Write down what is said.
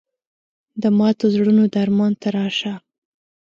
د ماتو زړونو درمان ته راشه